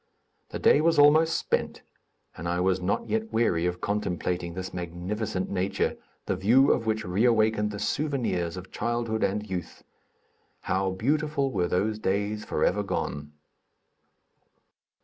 The day was almost spent and I was not yet weary of contemplating this magnificent nature, the view of which reawakened the souvenirs of childhood and youth. How beautiful were those days forever gone!